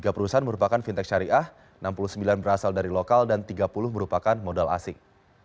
tiga perusahaan merupakan fintech syariah enam puluh sembilan berasal dari lokal dan tiga puluh merupakan modal asing